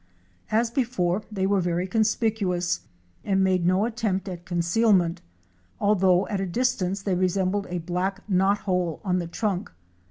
As before they were very conspicuous and made no attempt at concealment, although at a distance they resembled a black knot hole on the trunk.